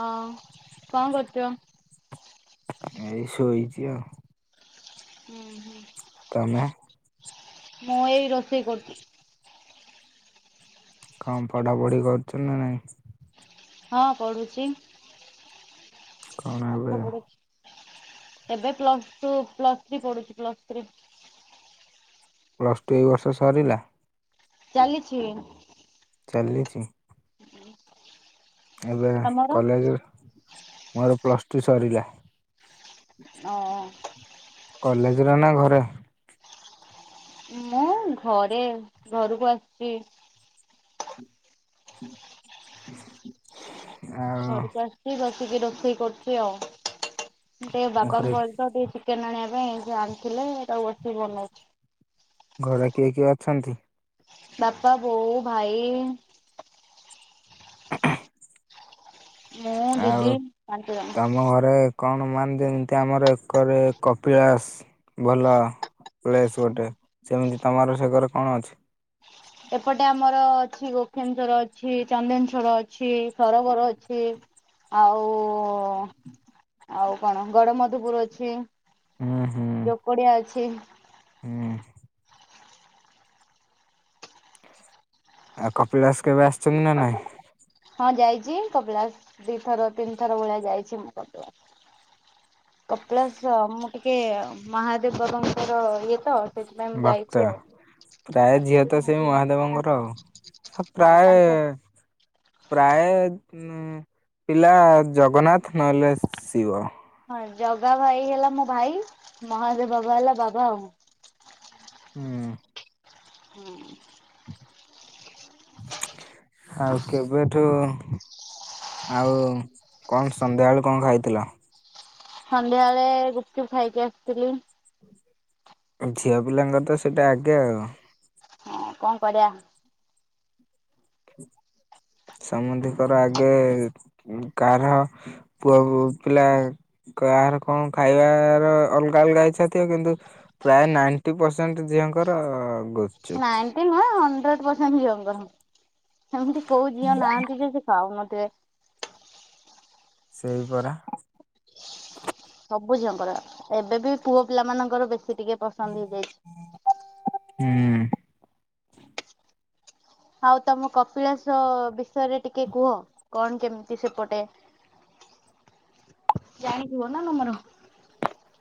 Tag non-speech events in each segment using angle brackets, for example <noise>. ହଁ କଣ କରୁଛ? ଏଇ ଶୋଇଛି ଆଉ। ହୁଁ ହୁଁ। ତମେ ମୁଁ ଏଇ ରୋଷେଇ କରୁଛି। କଣ ପଢାପଢି କରୁଛ ନା ନାଇଁ। ହଁ ପଢୁଛି କଣ ଏବେ ପାଠ ପଢୁଛି। ଏବେ ପ୍ଲସ୍ ଟୁ ପ୍ଲସ୍ ଥ୍ରୀ ପଢ଼ୁଛିପ୍ଲସ୍ ଥ୍ରୀ। ପ୍ଲସ୍ ଟୁ ଏଇ ବର୍ଷ ସରିଲା। ଚାଲିଛି। ଚାଲିଛି। ହୁଁ। ଏବେ କଲେଜ ମୋର ପ୍ଲସ୍ ଟୁ ସରିଲା। ଓ କଲେଜରେ ନା ଘରେ ମୁଁ ଘରେ ଘରକୁ ଆସିଛି। ହଁ <inaudible> ଘରକୁ ଆସିଛି ବସିକି ରୋଷେଇ କରୁଛି ଆଉ ଟିକେ ବାପାଙ୍କୁ ଘରେ କହିଲି ତ ଟିକେ। ଚିକେନ ଆଣିବା ପାଇଁ ସେ ଆଣିଥିଲେ ତାକୁ ବସିକି ବନଉଛି। ଘରେ କିଏ କିଏ ଅଛନ୍ତି? ବାପା ବୋଉ ଭାଇ। <inaudible> ମୁଁ ଆଉ ଦିଦି ପାଞ୍ଚ ଜଣ। ତମ ଘରେ? କଣ ମାନେ ଯେମିତି ଆମର ଏକରେ କପିଳାସ ଭଲ। କପିଳାସ ଗୋଟେ ସେମିତି ତମର ସେକରେ କଣ ଅଛି? ଏପଟେ ଆମର ଅଛି ଗୋଖେନସ୍ୱରଅଛି ଚନ୍ଦନେଶ୍ଵର ଅଛି ସରୋବର ଅଛି। ଆଉ ଆଉ କଣ ଗଡ ମଧୁପୁର ଅଛି। ହୁଁ ହୁଁ ଯୋକଡିଆ ଅଛି ହୁଁ। ଆଉ କପିଳାସ କେବେ ଆସ ହଁ ଯାଇଛି। ଯିଏ କପିଳାସ ଦି ଥର ତିନି ଥର ଭଳିଆ ଯାଇଛି ମୁଁ କପିଳାସ। କପିଳାସର ମୁଁ ଟିକେ ମହାଦେବବାବାଙ୍କର ଇଏ ତ ସେଥିପାଇଁ ମୁଁ ଭକ୍ତ ଯାଇଛି ଆଉ ପ୍ରାୟ ଝିଅ ତ ସେଇ ମହାଦେବଙ୍କର ଆଉ ହଁ ପ୍ରାୟ। ତାଙ୍କ ପ୍ରାୟ। ଉଁ ପିଲା ଜଗନ୍ନାଥ ନହେଲେ ଶିବ। ହଁ ଜଗା ଭାଇ ହେଲା ମୋ ଭାଇ ମହାଦେବ ବାବା ହେଲା ବାବା ଆଉ। ହୁଁ। ହୁଁ। ଆଉ କେବେଠୁ? ଆଉ କଣ ସନ୍ଧ୍ୟାବେଳୁ କଣ ଖାଇଥିଲ? ସନ୍ଧ୍ୟାବେଳେ ଗୁପଚୁପ ଖାଇକି ଆସିଥିଲି। ଝିଅ ପିଲାଙ୍କର ତ ସେଇଟା ଆଗେ ଆଉ ହଁ କଣ କରିବା। ସମନ୍ଧିଙ୍କର ଆଗେ ଗାହାର ପୁଅ ପିଲା। କାହାର କଣ ଖାଇବାର ଅଲଗା ଅଲଗା ଇଚ୍ଛା ଥିବ କିନ୍ତୁ ପ୍ରାୟ ନାଇଣ୍ଟି ପରସେଣ୍ଟ ଝିଅ ତାଙ୍କର <unintelligible> ନାଇନ୍ଟି ନୁହଁ ହଣ୍ଡ୍ରେଡ ପରସେଣ୍ଟ ଝିଅଙ୍କର ଏମିତି କୋଉ ଝିଅ ନାହାନ୍ତି ଯେ ସେ ଖାଉନଥିବେ। ଶୋଇ ପଡ଼ ସବୁ ଝିଅଙ୍କର ଏବେ ବି ପୁଅ ପିଲା ମାନଙ୍କର ବେଶୀ ଟିକେ ପସନ୍ଦ ହେଇଯାଇଛି। ହୁଁ। ଆଉ ତମ କପିଳାସ ବିଷୟରେ ଟିକେ କୁହ କଣ କେମିତି ସେପଟେ। <inaudible> ଜାଣିଥିବ ନା ନମ୍ବର।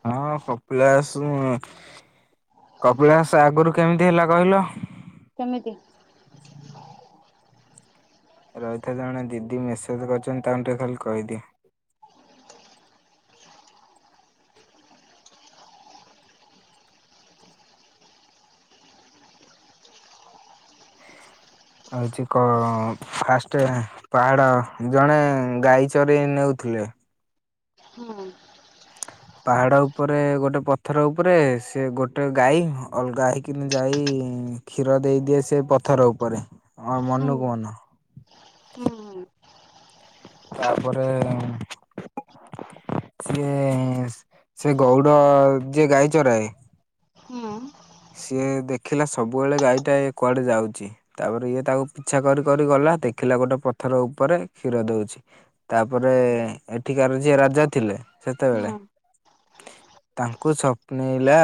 ହଁ କପିଳାସୁ କପିଳାସ ଆଗରୁ କେମିତି ହେଲା କହିଲ? କେମିତି? ରହିଥା ଜଣେ ଦିଦି ମେସେଜ କରିଛନ୍ତି ତାଙ୍କୁ ଟିକେ ଖାଲି କହିଦିଏ। ହଉଛି କ ଫାଷ୍ଟ ପାହାଡ ଜଣେ ଗାଈ ଚରି ନେଉଥିଲେ। ଥିଲେ। ହୁଁ ପାହାଡ ଉପରେ ଗୋଟେ ପଥର ଉପରେ ସେ ଗୋଟେ ଗାଈ ଅଲଗା ହେଇକିନା ଯାଇ କ୍ଷୀର ଦେଇଦିଏ ସେ ପଥର ଉପରେ ଆ ହୁଁ ମନକୁ ମନ। ହୁଁ ତାପରେ ସିଏ ସେ ଗଉଡ ଯିଏ ଗାଈ ଚରାଏ। ହୁଁ ହୁଁ ସିଏ ଦେଖିଲା ସବୁବେଳେ ଗାଈ ଟା କୁଆଡେ ଯାଉଛି ତାପରେ ଇଏ ତାକୁ ପିଛା କରି କରି ଗଲା। ଲା ଦେଖିଲା ଗୋଟେ ପଥର ଉପରେ କ୍ଷୀର ଦଉଛି। ତାପରେ ହୁଁ ଏଠିକାର ଯିଏ ରାଜା ଥିଲେ ସେତେବେଳେ। ହୁଁ ତାଙ୍କୁ ସ୍ୱପ୍ନେଇଲା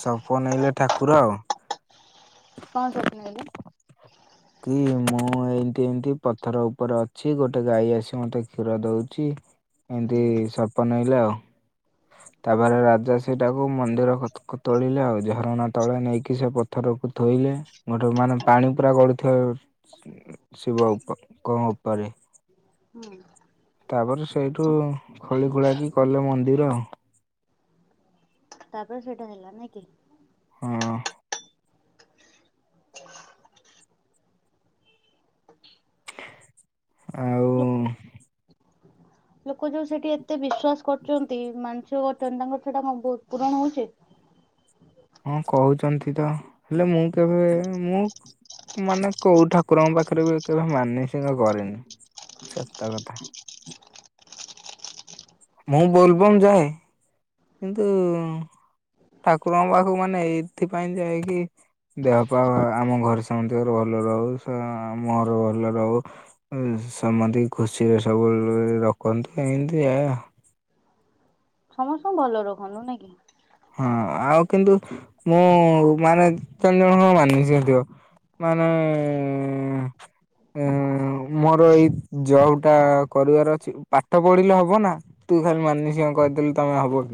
ସପନେଇଲେ ଠାକୁର ଆଉ। କଁଅ ସ୍ଵପ୍ନେଇଲେ? କି ମୁଁ ଏଇଠି ଏମିତି ପଥର ଉପରେ ଅଛି ଗୋଟେ ଗାଈ ଆସି ମୋତେ ଖିରଦଉଚି। ହୁଁ ସପନେଇଲେ ଠାକୁର ଆଉ। ତାପରେ ରାଜା ସେଇଟାକୁ ମନ୍ଦିର କୋତ ତୋଳିଲେ ଆଉ ଝରଣା ତଳେ ନେଇକି ସେ ପଥରକୁ ଥୋଇ ଲେ ଗୋଟେ ମାନେ ପାଣି ପୁରା ଗଡୁଥିବ ଶିବ କ ଉପରେ। ହୁଁ ତାପରେ ସେଇଠୁ ଖୋଳି ଖୁଳା କିି କଲେ ମନ୍ଦିର। ତାପରେ ସେଇଟା ହେଲା ନାଇଁ କି? ହଁ। ଲୋକ ଆଉ। ଲୋକ ଯୋଉ ସେଠି ଏତେ ବିଶ୍ଵାସ କରୁଚନ୍ତି ମାନ - - ଯେ। ଉ କରୁଛନ୍ତି ତାଙ୍କର ସେଟା କଣ ପୂରଣ ହଉଛି? ହଁ କହୁଛନ୍ତି ତ ହେଲେ ମୁଁ କେବେ ମୁଁ ମାନେ କୋଉ ଠାକୁରଙ୍କ ପାଖରେ ବି କେବେ ମାନସିକ କରିନି। ସତ କଥା। ମୁଁ ବୋଲବମ୍ ଯାଏ କିନ୍ତୁ ଠାକୁରଙ୍କ ପାଖକୁ ମାନେ ଏଇଥିପାଇଁ ଯାଏକି ଦେହପା ଆମ ଘରେ ସମନ୍ତିଙ୍କର ଭଲ ରହୁ ମୋହର ଭଲ ରହୁ। ସମନ୍ତିକି ଖୁସିରେ ସବୁବେଳେ ରଖନ୍ତୁ ଏମିତି ଏଇଆ। ସମସ୍ତଙ୍କୁ ଭଲରେ ରଖନ୍ତୁ ନାଇଁ କି। ହଁ ଆଉ କିନ୍ତୁ ମୁଁ ମାନେ ତିନି ଜଣ କର ମାନସିକ ଥିବ। ମା। ମୋର ଏଇ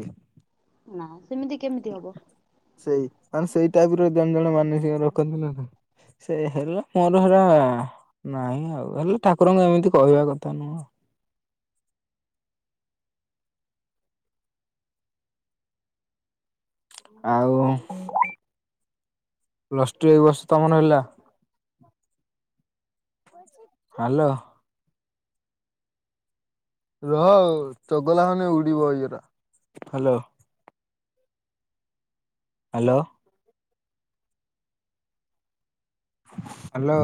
<inaudible> ନା। ତାନ୍ ସେଇ ଟାଇପ ର ଜଣ ଜଣ କୁ ସେ ହେଲା ମୋର ହେରା ନାହିଁ ଆଉ। <inaudible> ଆଉ ପ୍ଲସ୍ ଟୁ ଏଇ ବର୍ଷ ତମର ହେଲା। <inaudible> ରୋ ଚଗଲା ହଉ ହାଲୋ। ହାଲୋ।